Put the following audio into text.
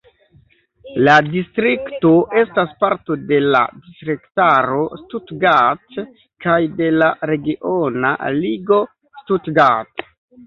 La distrikto estas parto de la distriktaro Stuttgart kaj de la regiona ligo Stuttgart.